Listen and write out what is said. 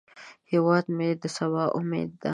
هیواد مې د سبا امید دی